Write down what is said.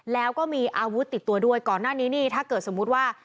แล้วก็มีอาวุธติดตัวด้วยก่อนหน้านี้นี่ถ้าเกิดสมมุติว่า